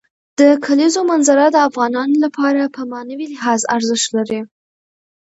د کلیزو منظره د افغانانو لپاره په معنوي لحاظ ارزښت لري.